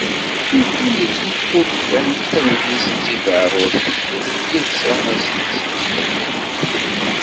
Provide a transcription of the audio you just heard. Yeqqim yettmuqul-d kan, Allen-is d tibaɛrurin, yelsa iselsa iberkanen merra.